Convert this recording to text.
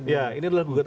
ya ini adalah gugatan